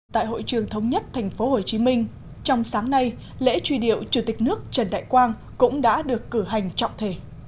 tại hội trường thống nhất tp hcm trong sáng nay lễ truy điệu chủ tịch nước trần đại quang cũng đã được cử hành trọng thể